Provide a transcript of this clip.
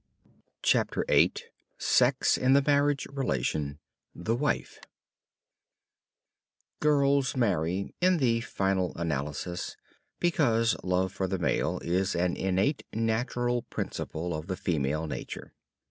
CHAPTER VIII SEX IN THE MARRIAGE RELATION THE WIFE Girls marry, in the final analysis, because love for the male is an innate natural principle of the female nature.